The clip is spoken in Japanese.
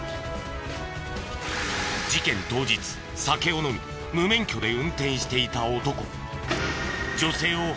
事件当日酒を飲み無免許で運転していた男。